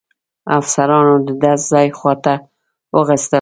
افسرانو د ډز ځای خواته وځغستل.